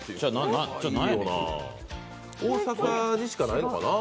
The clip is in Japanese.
大阪にしかないのかな。